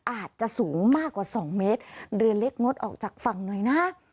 อาจจะสูงมากกว่าสองเมตรเรือเล็กงดออกจากฝั่งหน่อยนะ